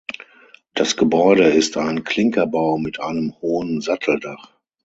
Das Gebäude ist ein Klinkerbau mit einem hohen Satteldach.